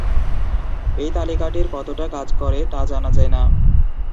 এই তালিকাটির কতটা কাজ করে তা জানা যায় না।